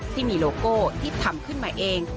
ที่มีโลโก้ที่ทำขึ้นมาเอง